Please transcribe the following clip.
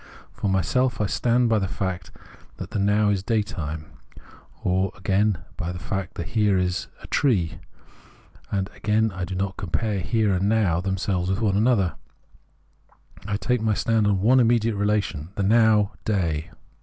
For myself I stand by the fact, the Now is day time, or, again, by the fact the Here is tree, and, again, do not compare Here and Now themselves with one another ; I take VOL. I.— H 98 Phenomenology of Mind my stand on one immediate relation : the Now day.